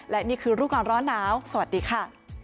และนี่คือรูปก่อนร้อนหนาวสวัสดีค่ะ